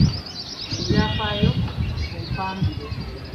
Ebyafaayo ku Mpambire.